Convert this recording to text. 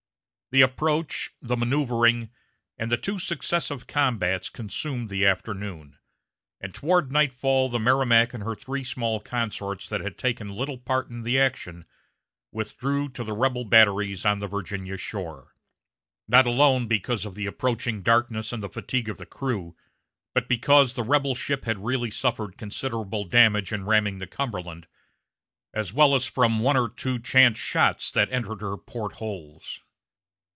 The approach, the manoeuvering, and the two successive combats consumed the afternoon, and toward nightfall the Merrimac and her three small consorts that had taken little part in the action withdrew to the rebel batteries on the Virginia shore: not alone because of the approaching darkness and the fatigue of the crew, but because the rebel ship had really suffered considerable damage in ramming the Cumberland, as well as from one or two chance shots that entered her port holes.